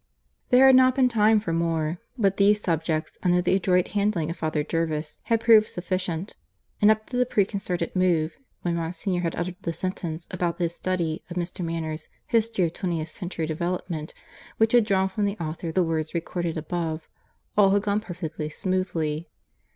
There had not been time for more; but these subjects, under the adroit handling of Father Jervis, had proved sufficient; and up to the preconcerted moment when Monsignor had uttered the sentence about his study of Mr. Manners' History of Twentieth Century Development which had drawn from the author the words recorded above, all had gone perfectly smoothly.